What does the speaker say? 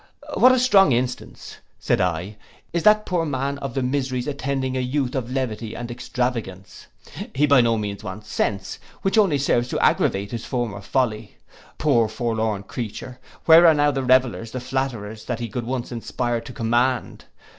'What a strong instance,' said I, 'is that poor man of the miseries attending a youth of levity and extravagance. He by no means wants sense, which only serves to aggravate his former folly. Poor forlorn creature, where are now the revellers, the flatterers, that he could once inspire and command!